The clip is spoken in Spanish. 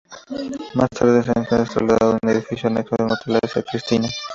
Más tarde este ente se trasladó a un edificio anexo al Hotel María Cristina.